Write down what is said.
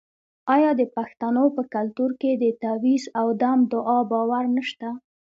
آیا د پښتنو په کلتور کې د تعویذ او دم دعا باور نشته؟